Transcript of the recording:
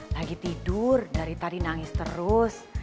lagi tidur dari tadi nangis terus